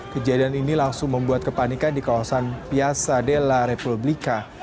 kejadian ini langsung membuat kepanikan di kawasan piazza della repubblica